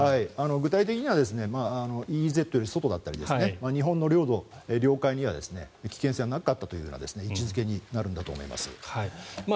具体的にはＥＥＺより外だったり日本の領土・領海には危険はなかったという位置付けになるんだと思います。